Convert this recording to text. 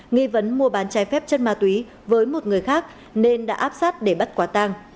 nghi vấn mua bán trái phép chất ma túy với một người khác nên đã áp sát để bắt quả tang